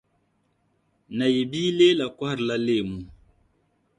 Nayi bia Leela kɔhirila leemu.